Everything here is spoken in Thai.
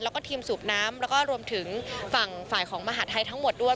แล้วก็ทีมสูบน้ำแล้วก็รวมถึงฝั่งฝ่ายของมหาดไทยทั้งหมดด้วย